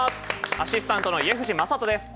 アシスタントの家藤正人です。